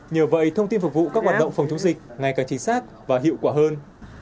nhờ vậy thông tin phục vụ các hoạt động phòng chống dịch ngày càng chính xác và hiệu quả hơn